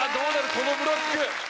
このブロック。